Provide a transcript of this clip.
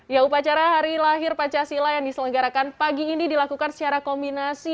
ya upacara hari lahir pancasila yang diselenggarakan pagi ini dilakukan secara kombinasi